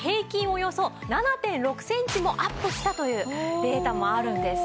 およそ７．６センチもアップしたというデータもあるんです。